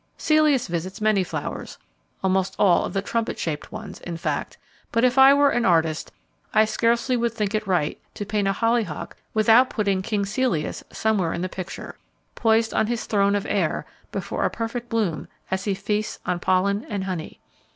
Celeus visits many flowers, almost all of the trumpet shaped ones, in fact, but if I were an artist I scarcely would think it right to paint a hollyhock without putting King Celeus somewhere in the picture, poised on his throne of air before a perfect bloom as he feasts on pollen and honey.